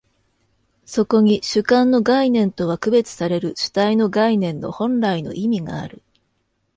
そこに主観の概念とは区別される主体の概念の本来の意味がある。